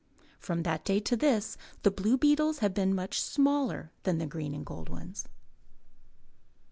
From that day to this the blue beetles have been much smaller than the green and gold ones.